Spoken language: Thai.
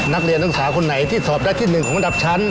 นักเรียนนักศึกษาคนไหนที่สอบได้ที่๑ของระดับชั้น